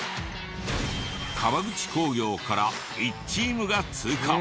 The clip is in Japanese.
川口工業から１チームが通過。